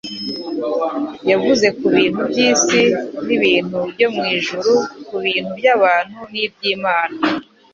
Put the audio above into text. Yavuze ku bintu by'isi n'ibintu byo mu ijuru, ku bintu by'abantu n'iby'Imana,